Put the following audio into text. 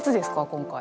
今回。